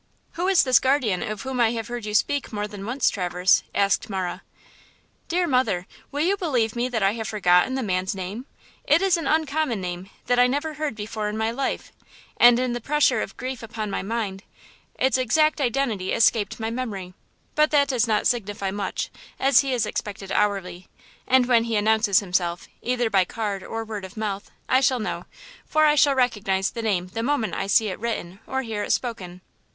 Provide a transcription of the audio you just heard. "Who is this guardian of whom I have heard you speak more than once, Traverse?" ask Marah. "Dear mother, will you believe me that I have forgotten the man's name; it is an uncommon name that I never heard before in my life, and, in the pressure of grief upon my mind, its exact identity escaped my memory; but that does not signify much, as he is expected hourly; and when he announces himself, either by card or word of mouth, I shall know, for I shall recognize the name the moment I see it written or hear it spoken.